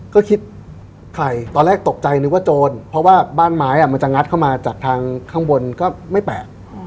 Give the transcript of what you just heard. ก็คิดใครตอนแรกตกใจนึกว่าโจรเพราะว่าบ้านไม้มันจะงัดเข้ามาจากทางข้างบนก็ไม่แปลก